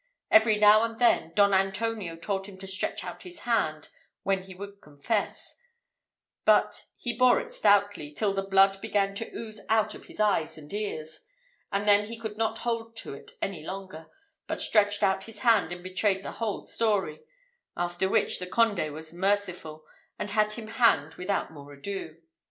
Every now and then, Don Antonio told him to stretch out his hand when he would confess; but he bore it stoutly, till the blood began to ooze out of his eyes and ears, and then he could not hold to it any longer, but stretched out his hand, and betrayed the whole story; after which, the conde was merciful, and had him hanged without more ado."